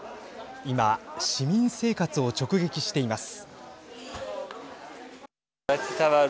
今、市民生活を直撃しています。